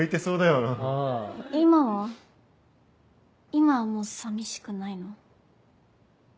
今はもう寂しくないの？